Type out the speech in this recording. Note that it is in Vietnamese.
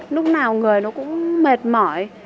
lúc nào người nó cũng mệt mỏi